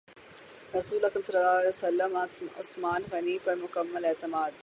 رسول اکرم صلی اللہ علیہ وسلم عثمان غنی پر مکمل اعتماد